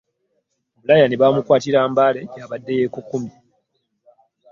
Brian baamukwatira Mbale gy'abadde yeekukumye